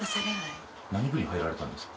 何部に入られたんですか？